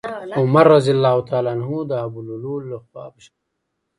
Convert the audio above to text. عمر رضي الله عنه د ابولؤلؤ له په شهادت ورسېد.